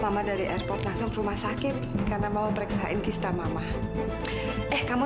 mama dari airport langsung rumah sakit karena mau periksa in kisah mama eh kamu